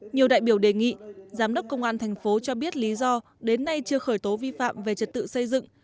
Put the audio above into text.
nhiều đại biểu đề nghị giám đốc công an tp cho biết lý do đến nay chưa khởi tố vi phạm về trật tự xây dựng